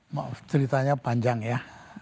maaf ceritanya panjang ya